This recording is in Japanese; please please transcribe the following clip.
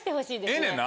ええねんな？